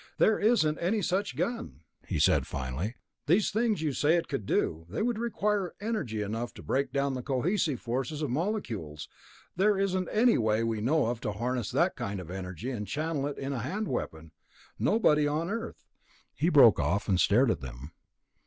"There isn't any such gun," he said finally. "These things you say it could do ... they would require energy enough to break down the cohesive forces of molecules. There isn't any way we know of to harness that kind of energy and channel it in a hand weapon. Nobody on Earth...." He broke off and stared at them.